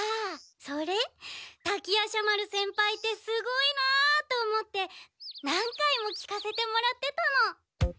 「滝夜叉丸先輩ってすごいな」と思って何回も聞かせてもらってたの。